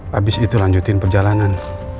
habis itu lanjutin perjalanan